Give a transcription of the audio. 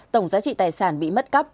tổng giá trị tài sản bị mất cấp